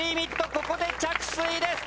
ここで着水です。